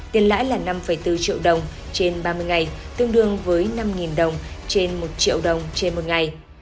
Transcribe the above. tiền lãi là năm bốn triệu đồng trên ba mươi ngày tương đương với năm đồng trên một triệu đồng trên một ngày